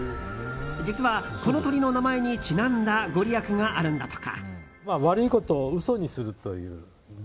実は、この鳥の名前にちなんだご利益があるんだとか。